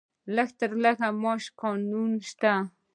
د لږ تر لږه معاش قانون شته؟